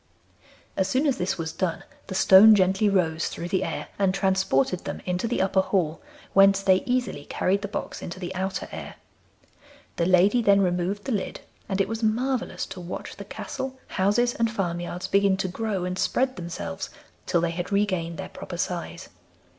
As soon as this was done the stone gently rose through the air and transported them into the upper hall, whence they easily carried the box into the outer air. The lady then removed the lid, and it was marvellous to watch the castle, houses, and farmyards begin to grow and spread themselves till they had regained their proper size.